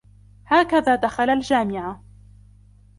هكذا دخل الجامعة.